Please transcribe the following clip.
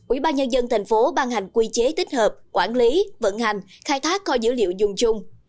ubnd tp hcm vừa tổ chức hội nghị triển khai quản lý quản lý vận hành khai thác kho dữ liệu dùng chung